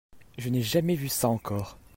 Je n'ai jamais vu ça encore.